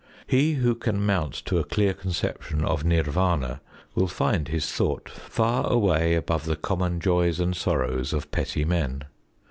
He who can mount to a clear conception of Nirv─ün╠Ża will find his thought far away above the common joys and sorrows of petty men.